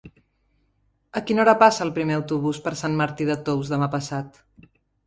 A quina hora passa el primer autobús per Sant Martí de Tous demà passat?